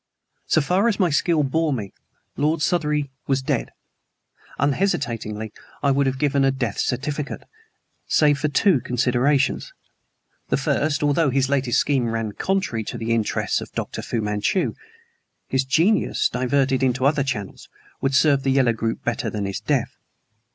So far as my skill bore me, Lord Southery was dead. Unhesitatingly, I would have given a death certificate, save for two considerations. The first, although his latest scheme ran contrary from the interests of Dr. Fu Manchu, his genius, diverted into other channels, would serve the yellow group better than his death.